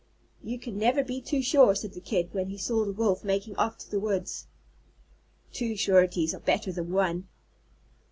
"You can never be too sure," said the Kid, when he saw the Wolf making off to the woods. _Two sureties are better than one.